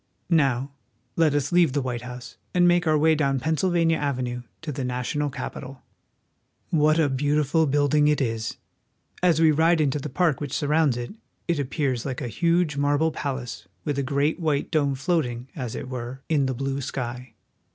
Now let us leave the White House and make our way down Pennsylvania Avenue to the national Capitol. 30 WASHINGTON. What a beautiful building it is! As we ride into the park which surrounds it, it appears like a huge marble palace with a great white dome floating, as it were, in the blue sky.